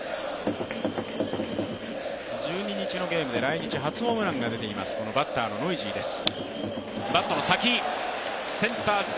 １２日のゲームで来日初ホームランが出ています、バッターのノイジーです。